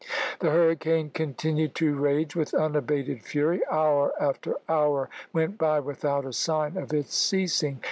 The hurricane continued to rage with unabated fury. Hour after hour went by without a sign of its ceasing.